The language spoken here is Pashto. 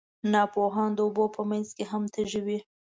ناپوهان د اوبو په منځ کې هم تږي وي.